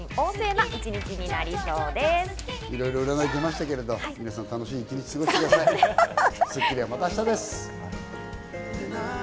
いろいろ占いでましたけど皆さん楽しい１日を過ごしてください。